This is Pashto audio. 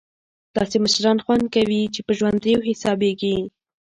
داسې مشران خوند کوي چې په ژوندیو حسابېږي.